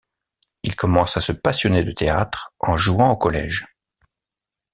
Il commence à se passionner de théâtre en jouant au collège.